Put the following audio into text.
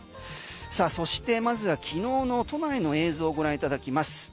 さあそして、まずは昨日の都内の映像をご覧いただきます。